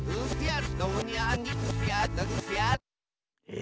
え